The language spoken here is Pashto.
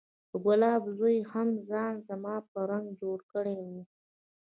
د ګلاب زوى هم ځان زما په رنګ جوړ کړى و.